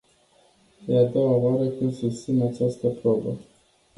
E a doua oară când susțin această probă.